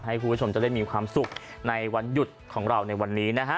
ให้คุณผู้ชมจะได้มีความสุขในวันหยุดของเราในวันนี้นะฮะ